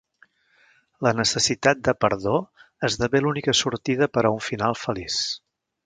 La necessitat de perdó esdevé l'única sortida per a un final feliç.